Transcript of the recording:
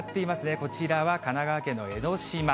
こちらは神奈川県の江の島。